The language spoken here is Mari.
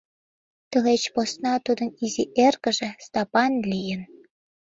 Тылеч посна тудын изи эргыже Стапан лийын.